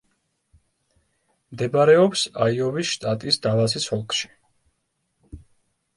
მდებარეობს აიოვის შტატის დალასის ოლქში.